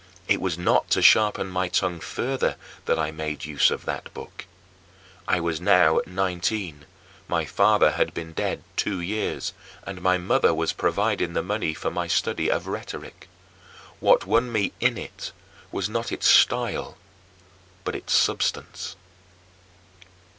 It was not to sharpen my tongue further that I made use of that book. I was now nineteen; my father had been dead two years, and my mother was providing the money for my study of rhetoric. What won me in it [i.e., the Hortensius] was not its style but its substance.